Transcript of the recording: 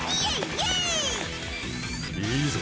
いいぞ！